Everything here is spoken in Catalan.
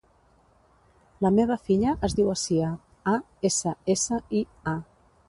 La meva filla es diu Assia: a, essa, essa, i, a.